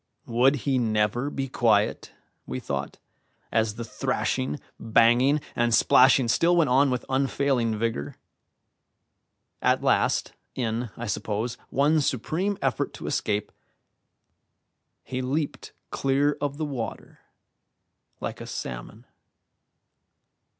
Would he never be quiet? we thought, as the thrashing, banging, and splashing still went on with unfailing vigour. At last, in, I suppose, one supreme effort to escape, he leaped clear of the water like a salmon.